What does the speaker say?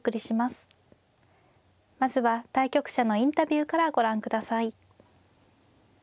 まずは対局者のインタビューからご覧ください。